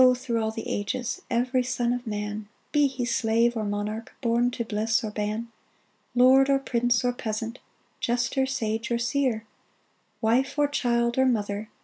through all the ages, Every son of man, Be he slave or monarch, Born to bliss or ban — Lord, or prince, or peasant, Jester, sage, or seer, Wife, or child, or mother.